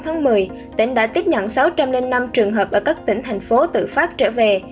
ngày một mươi tỉnh đã tiếp nhận sáu trăm linh năm trường hợp ở các tỉnh thành phố tự phát trở về